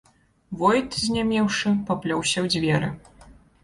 Войт, знямеўшы, паплёўся ў дзверы.